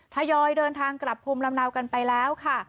ทยอยเดินทางกลับภูมิลำเนากันไปแล้วค่ะ